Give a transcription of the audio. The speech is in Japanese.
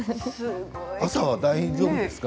朝は大丈夫ですか。